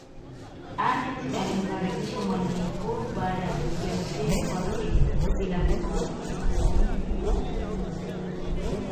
aneth alimkaribisha mwalimu mkuu baada ya kuingia ofisini kwake bila kugonga hodi